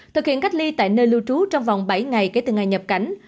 thực hiện cách ly tại nơi lưu trú trong vòng bảy ngày kể từ ngày nhập cảnh